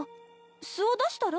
素を出したら？